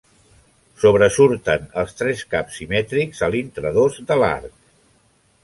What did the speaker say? Sobresurten els tres caps simètrics a l'intradós de l'arc.